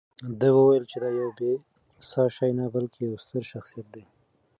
ده وویل چې دا یو بې ساه شی نه، بلکې یو ستر شخصیت دی.